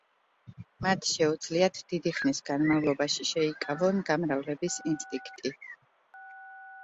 მათ შეუძლიათ დიდი ხნის განმავლობაში შეიკავონ გამრავლების ინსტინქტი.